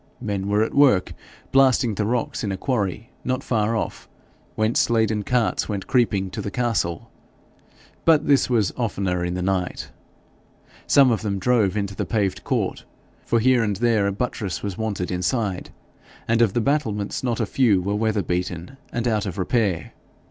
Men were at work blasting the rocks in a quarry not far off, whence laden carts went creeping to the castle; but this was oftener in the night. Some of them drove into the paved court, for here and there a buttress was wanted inside, and of the battlements not a few were weather beaten and out of repair.